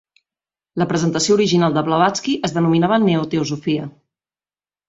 La presentació original de Blavatsky es denominava Neo-Teosofia.